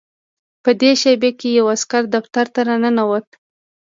په دې شېبه کې یو عسکر دفتر ته راننوت